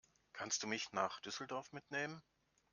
Kannst du mich nach Düsseldorf mitnehmen?